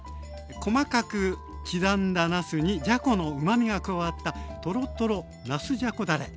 細かく刻んだなすにじゃこのうまみが加わったトロトロなすじゃこだれ。